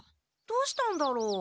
どうしたんだろう？